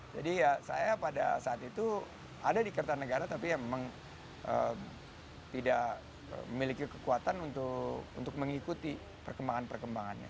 jadi ya saya pada saat itu ada di kertanegara tapi memang tidak memiliki kekuatan untuk mengikuti perkembangan perkembangannya